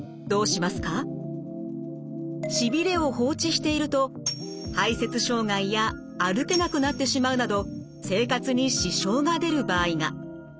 しびれを放置していると排せつ障害や歩けなくなってしまうなど生活に支障が出る場合が。